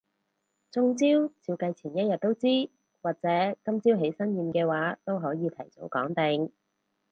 中招照計前一日都知，或者今朝起身驗嘅話都可以提早講定